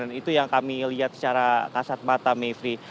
dan itu yang kami lihat secara kasat mata mevri